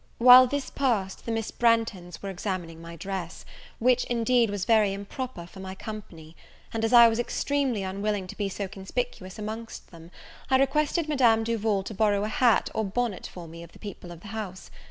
While this passed the Miss Branghtons were examining my dress, which, indeed, was very improper for my company; and, as I was extremely unwilling to be so conspicuous amongst them, I requested Madame Duval to borrow a hat or bonnet for me of the people of the house.